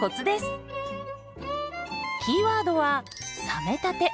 キーワードは「冷めたて」。